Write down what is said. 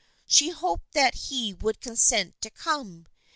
She hoped that he would consent to come.